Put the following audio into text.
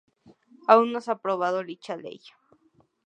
Aún no se ha aprobado dicha ley.